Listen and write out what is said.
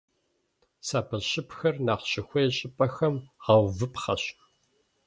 Сабэщыпхэр нэхъ щыхуей щӀыпӀэхэм гъэувыпхъэщ.